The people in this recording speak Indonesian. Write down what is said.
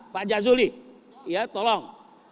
pak jazuli ya tolong